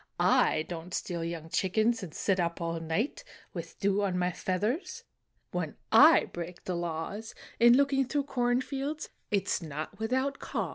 I don t steal young chickens And sit up all night, With dew on my feathers; When I break the laws In looking through corn fields It s not without caws."